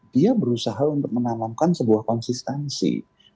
dia berusaha untuk menanamkan sebuah konsistensi